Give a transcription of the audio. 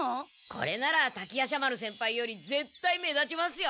これなら滝夜叉丸先輩よりぜったい目立ちますよ。